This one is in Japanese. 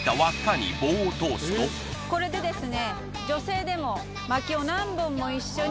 これでですね